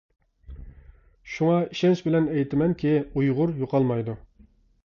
شۇڭا، ئىشەنچ بىلەن ئېيتىمەنكى، ئۇيغۇر يوقالمايدۇ.